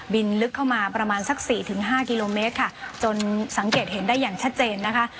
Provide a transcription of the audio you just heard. ลึกเข้ามาประมาณสักสี่ถึงห้ากิโลเมตรค่ะจนสังเกตเห็นได้อย่างชัดเจนนะคะ